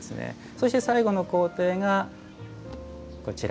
そして最後の工程がこちら。